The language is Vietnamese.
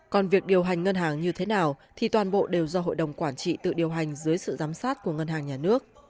còn việc điều hành ngân hàng như thế nào thì toàn bộ đều do hội đồng quản trị tự điều hành dưới sự giám sát của ngân hàng nhà nước